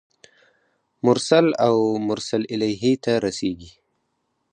مرسل او مرسل الیه ته رسیږي.